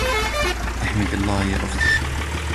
إحمدي الله يا آختي.